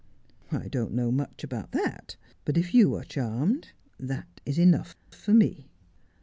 ' I don't know mush about that ; but if you are charmed, that is enough for me.'